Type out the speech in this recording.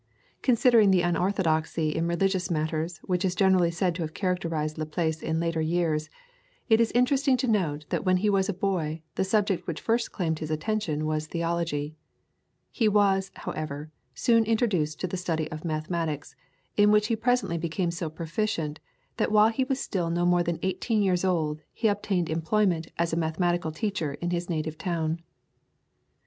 Considering the unorthodoxy in religious matters which is generally said to have characterized Laplace in later years, it is interesting to note that when he was a boy the subject which first claimed his attention was theology. He was, however, soon introduced to the study of mathematics, in which he presently became so proficient, that while he was still no more than eighteen years old, he obtained employment as a mathematical teacher in his native town.